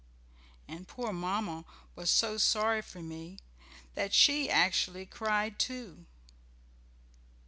And poor Mamma was so sorry for me that she actually cried too!